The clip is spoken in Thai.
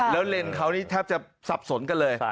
เป็นเขานี่แทบจะสับสนกันเลย